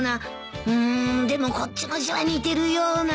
うーんでもこっちの字は似てるような。